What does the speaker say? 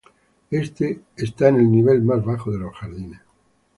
Está en el nivel más bajo de los jardines.